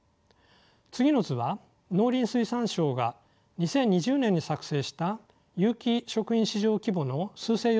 次の図は農林水産省が２０２０年に作成した有機食品市場規模のすう勢予測です。